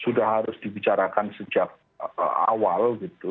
sudah harus dibicarakan sejak awal gitu